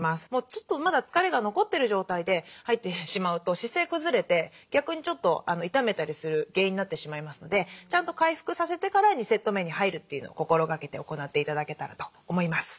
ちょっとまだ疲れが残ってる状態で入ってしまうと姿勢くずれて逆にちょっと痛めたりする原因になってしまいますのでちゃんと回復させてから２セット目に入るというのを心がけて行って頂けたらと思います。